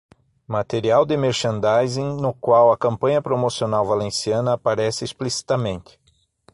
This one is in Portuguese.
Material de merchandising no qual a campanha promocional valenciana aparece explicitamente.